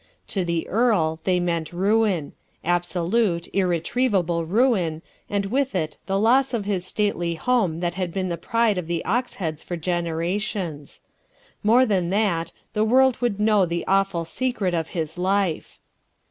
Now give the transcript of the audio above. To the earl they meant ruin absolute, irretrievable ruin, and with it the loss of his stately home that had been the pride of the Oxheads for generations. More than that the world would now know the awful secret of his life.